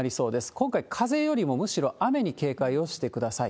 今回、風よりもむしろ雨に警戒をしてください。